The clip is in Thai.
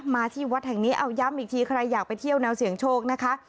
มาที่วัดแห่งนี้เอาย้ำอีกทีใครอยากไปเที่ยวแนวเสี่ยงโชคนะคะ